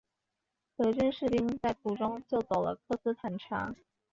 德军士兵在途中救走了科斯坦察。